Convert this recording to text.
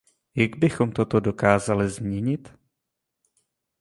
Jak bychom toto dokázali změnit?